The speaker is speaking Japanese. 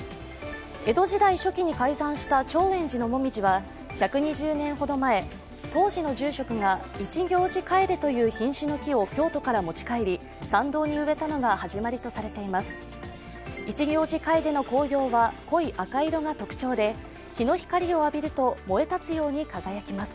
江戸時代初期に開山した長円寺の紅葉は、１２０年ほど前、当時の住職が一行寺楓という品種の木を京都から持ち帰り、参道に植えたのが始まりとされています。